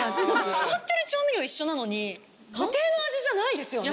使ってる調味料一緒なのに家庭の味じゃないですよね？